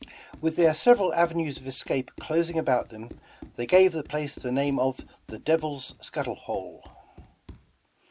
With their several avenues of escape closing about them, they gave the place the name of the ''Devil's Scuttle Hole.'